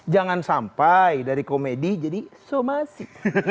jangan sampai dari komedi jadi somasi